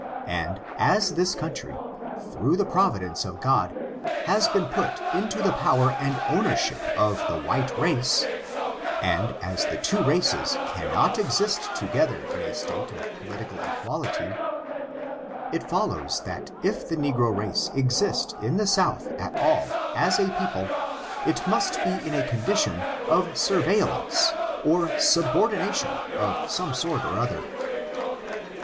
And, as this country, through the providence of God, has been put into the power and ownership of the white race^ and as the two races cannot exist together in a state of political equality, it follows that if the negro race exist in the South at all, as a people, it must be in a condition oi surveil lance or subordination of some sort or other.